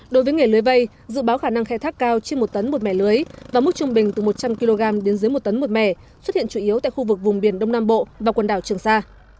đối với nghề lưới vây dự báo khả năng khai thác cao trên một tấn một mẻ lưới và mức trung bình từ một trăm linh kg đến dưới một tấn một mẻ xuất hiện chủ yếu tại khu vực vùng biển đông nam bộ và quần đảo trường sa